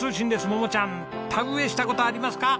桃ちゃん田植えした事ありますか？